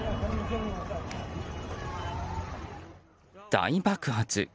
大爆発。